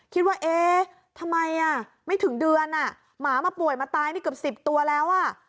คิดว่าเอ๊ะทำไมไม่ถึงเดือนหมามาป่วยมาตายนี่เกือบ๑๐ตัวแล้วอ่ะ